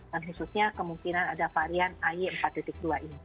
dan khususnya kemungkinan ada varian ay empat dua ini